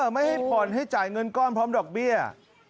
ไม่ให้ผ่อนให้จ่ายเงินก้อนพร้อมดอกเบี้ย